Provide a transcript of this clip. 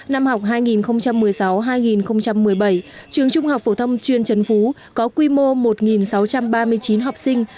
năm học hai nghìn một mươi sáu hai nghìn một mươi bảy trường trung học phổ thông chuyên trần phú có quy mô một sáu trăm ba mươi chín học sinh